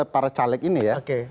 para caleg ini ya